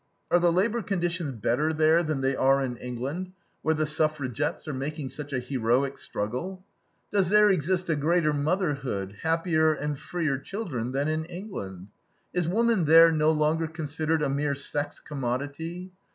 Are the labor conditions better there than they are in England, where the suffragettes are making such a heroic struggle? Does there exist a greater motherhood, happier and freer children than in England? Is woman there no longer considered a mere sex commodity?